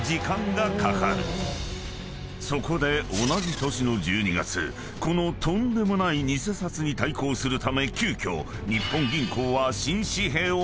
［そこで同じ年の１２月このとんでもない偽札に対抗するため急きょ日本銀行は］